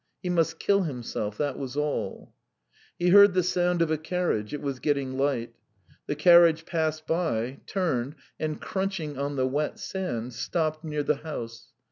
He must kill himself, that was all. ... He heard the sound of a carriage. It was getting light. The carriage passed by, turned, and crunching on the wet sand, stopped near the house.